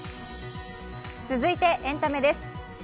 続いてエンタメです。